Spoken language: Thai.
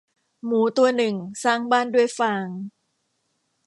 หมูตัวหนึ่งสร้างบ้านด้วยฟาง